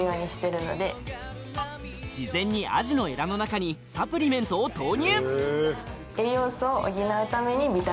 事前にアジのエラの中にサプリメントを投入を入れてます。